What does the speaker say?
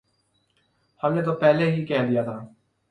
ہم نے تو پہلے ہی کہہ دیا تھا۔